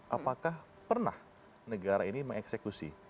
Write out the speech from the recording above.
apakah pernah negara ini mengeksekusi